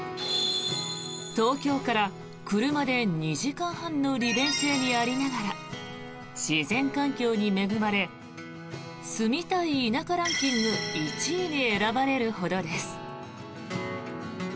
東京から車で２時間半の利便性にありながら自然環境に恵まれ住みたい田舎ランキング１位に選ばれるほどです。